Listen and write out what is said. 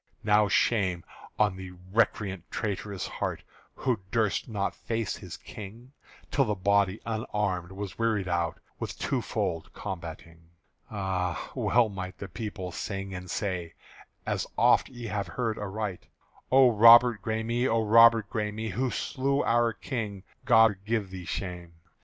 (Now shame on the recreant traitor's heart Who durst not face his King Till the body unarmed was wearied out With two fold combating! Ah! well might the people sing and say, As oft ye have heard aright: "_O Robert Græme, O Robert Græme, Who slew our King, God give thee shame!